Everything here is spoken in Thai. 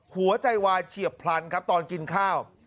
หัวใจวายเฉียบพลันครับตอนกินข้าว